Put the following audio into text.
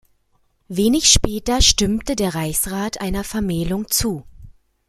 Wenig später stimmte der Reichsrat einer Vermählung zu.